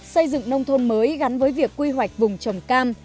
xây dựng nông thôn mới gắn với việc quy hoạch vùng trồng cam